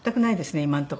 今のところ。